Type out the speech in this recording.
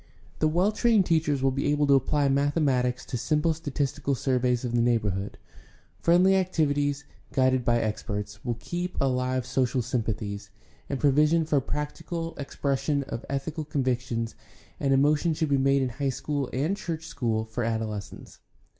The well trained teachers will be able to apply mathematics to simple statistical surveys of the neighborhood; friendly activities, guided by experts, will keep alive social sympathies; and provision for practical expression of ethical convictions and emotion should be made in high school and church school for adoles cents.